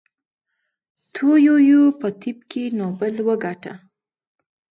تو یویو په طب کې نوبل وګاټه.